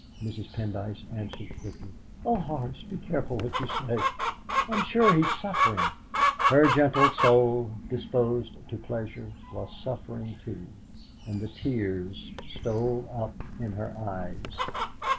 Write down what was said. Mrs. Pendyce answered quickly: "Oh, Horace, be careful what you say! I'm sure he is suffering!" Her gentle soul, disposed to pleasure, was suffering, too, and the tears stole up in her eyes.